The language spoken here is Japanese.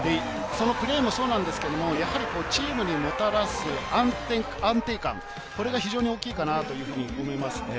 そのプレーもそうなんですけれど、やはりチームにもたらす安定感、これが非常に大きいかなと思います。